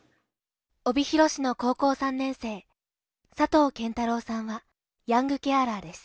帯広市の高校３年生佐藤謙太郎さんはヤングケアラーです